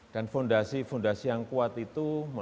dan fondasi fondasi yang kuat itu memiliki